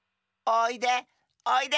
おいで。